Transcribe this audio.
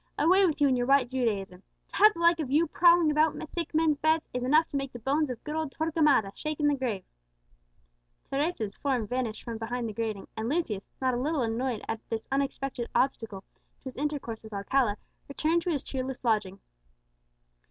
Away with you and your white Judaism! To have the like of you prowling about sick men's beds is enough to make the bones of good old Torquemada shake in the grave!" Teresa's form vanished from behind the grating, and Lucius, not a little annoyed at this unexpected obstacle to his intercourse with Alcala, returned to his cheerless lodging.